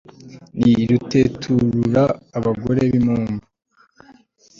Ni ruteturura abagore bimpumbu